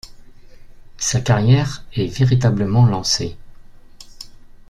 Sa carrière est véritablement lancée.